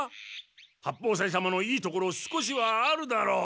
八方斎様のいいところ少しはあるだろう。